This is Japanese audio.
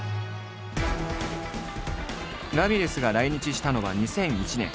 ラミレスが来日したのは２００１年。